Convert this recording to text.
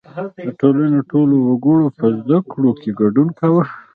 • د ټولنې ټولو وګړو په زدهکړو کې ګډون کاوه.